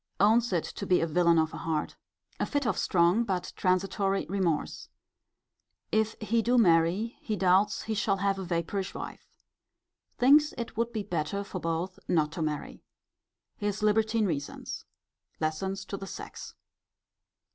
Owns it to be a villain of a heart. A fit of strong, but transitory remorse. If he do marry, he doubts he shall have a vapourish wife. Thinks it would be better for both not to marry. His libertine reasons. Lessons to the sex.